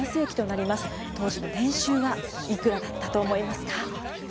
当時の年収はいくらだったと思いますか？